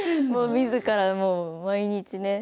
みずから、毎日ね。